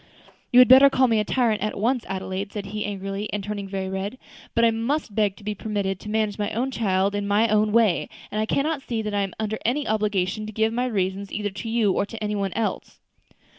"You had better call me a tyrant at once, Adelaide," said he angrily, and turning very red; "but I must beg to be permitted to manage my own child in my own way; and I cannot see that I am under any obligation to give my reasons either to you or to any one else."